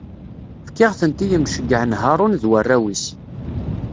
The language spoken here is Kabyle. Fkiɣ-tent i yimceyyɛen Haṛun d warraw-is.